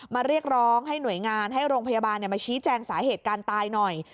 เรียกร้องให้หน่วยงานให้โรงพยาบาลมาชี้แจงสาเหตุการตายหน่อย